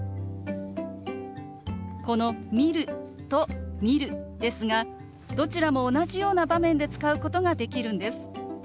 この「見る」と「見る」ですがどちらも同じような場面で使うことができるんです。